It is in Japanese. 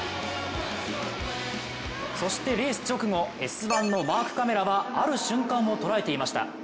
そしてレース直後「Ｓ☆１」のマークカメラはある瞬間を捉えていました。